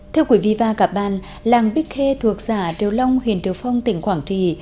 thưa quý vị và các bạn làng bích khê thuộc xã triều long huyện triều phong tỉnh quảng trì